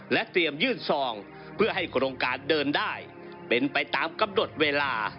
เตรียมยื่นซองเพื่อให้โครงการเดินได้เป็นไปตามกำหนดเวลา